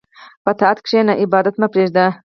په طاعت کښېنه، عبادت مه پرېږده.